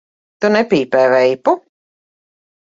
Tu nepīpē veipu?